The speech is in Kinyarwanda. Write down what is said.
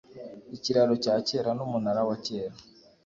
Ikiraro cya kera numunara wa kera